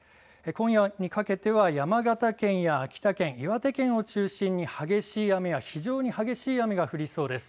今夜にかけては山形県や秋田県、岩手県を中心に激しい雨や非常に激しい雨が降りそうです。